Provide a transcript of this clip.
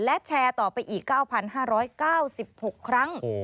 และแชร์ต่อไปอีก๙๕๙๖ครั้ง